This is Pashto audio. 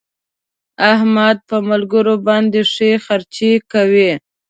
احمد په ملګرو باندې ښې خرڅې کوي.